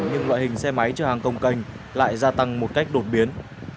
nhưng loại hình xe máy chở hàng công canh lại gia tăng một cách đột biến